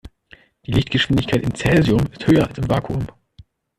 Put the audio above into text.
Die Lichtgeschwindigkeit in Cäsium ist höher als im Vakuum.